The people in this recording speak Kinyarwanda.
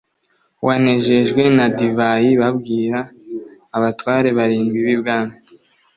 wanejejwe na divayi b abwira abatware barindwi b ibwami